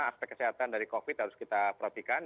harus kita perhatikan